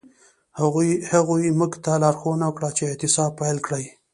هغوی موږ ته لارښوونه وکړه چې اعتصاب پیل کړئ.